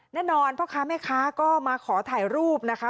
แน่นอนพ่อค้าแม่ค้าก็มาขอถ่ายรูปนะคะ